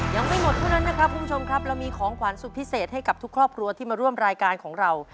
ยังไม่หมดเท่านั้นนะครับคุณผู้ชมครับเรามีของขวัญสุดพิเศษให้กับทุกครอบครัวที่มาร่วมรายการของเรา